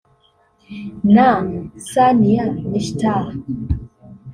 na Sania Nishtar